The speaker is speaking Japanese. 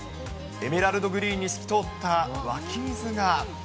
エメラルドグリーンに透き通った湧き水が。